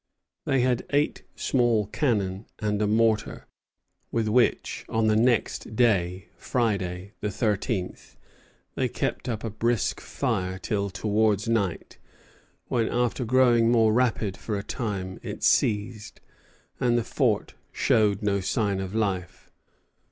They had eight small cannon and a mortar, with which on the next day, Friday, the thirteenth, they kept up a brisk fire till towards night; when, after growing more rapid for a time, it ceased, and the fort showed no sign of life.